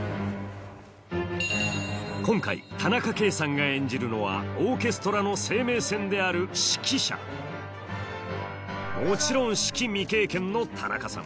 今回田中圭さんが演じるのはオーケストラの生命線であるもちろん指揮未経験の田中さん